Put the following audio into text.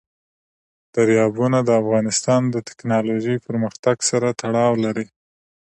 دریابونه د افغانستان د تکنالوژۍ پرمختګ سره تړاو لري.